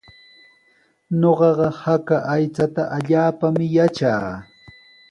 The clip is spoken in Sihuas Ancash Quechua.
Ñuqaqa haka aychata allaapaami yatraa.